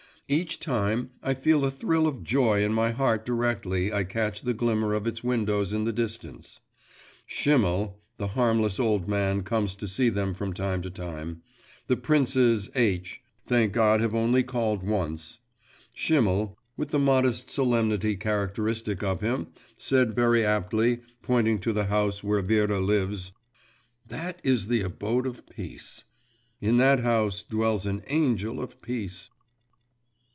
… Each time I feel a thrill of joy in my heart directly I catch the glimmer of its windows in the distance. Schimmel (the harmless old man comes to see them from time to time; the princes H , thank God, have only called once) … Schimmel, with the modest solemnity characteristic of him, said very aptly, pointing to the house where Vera lives: 'That is the abode of peace!' In that house dwells an angel of peace.